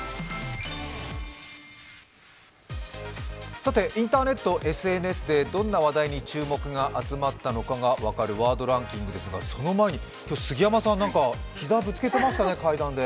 さて、インターネット、ＳＮＳでどんなワードに注目が集まったのかが分かるワードランキングですが、その前に杉山さん、膝、ぶつけてましたね、階段で。